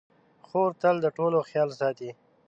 خور تل د ټولو خیال ساتي.